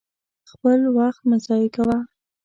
خپل وخت مه ضايع کوه!